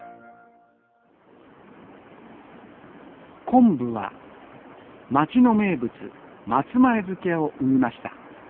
昆布は町の名物松前漬を生みました。